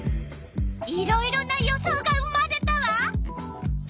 いろいろな予想が生まれたわ。